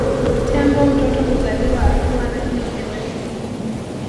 Tembo mtoto huzaliwa akiwa na kilo themaninini